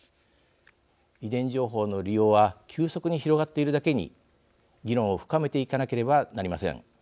遺伝情報の利用は急速に広がっているだけに議論を深めていかなければなりません。